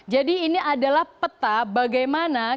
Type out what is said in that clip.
jadi ini adalah peta bagaimana